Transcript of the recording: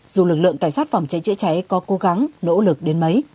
dù lực lượng cảnh sát phòng cháy chữa cháy có cố gắng nỗ lực đến mấy